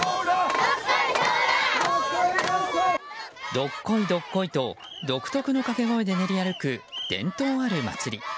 どっこい、どっこいと独特の掛け声で練り歩く伝統ある祭り。